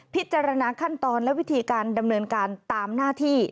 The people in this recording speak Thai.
พิจารณาขั้นตอนและวิธีการดำเนินการตามหน้าที่